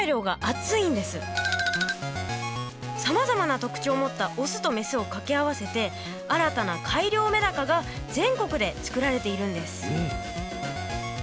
さまざまな特徴を持ったオスとメスを掛け合わせて新たな改良メダカが全国でつくられているんです。